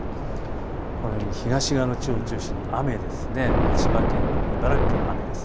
このように東側の地方を中心に千葉県、茨城県、雨です。